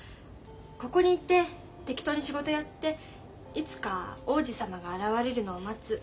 ここにいて適当に仕事やっていつか王子様が現れるのを待つ。